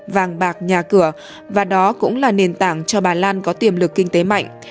vàng bạc nhà cửa và đó cũng là nền tảng cho bà lan có tiềm lực kinh tế mạnh